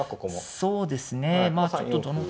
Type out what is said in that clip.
そうですね。